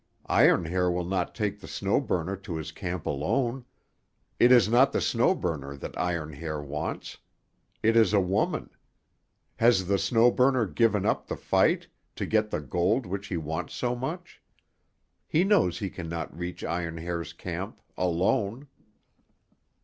Iron Hair will not take the Snow Burner to his camp alone. It is not the Snow Burner that Iron Hair wants. It is a woman. Has the Snow Burner given up the fight to get the gold which he wants so much? He knows he can not reach Iron Hair's camp—alone."